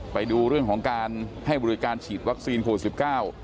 ไปดูเรื่องของการให้บริการฉีดวัคซีนโควิดสิบเก้า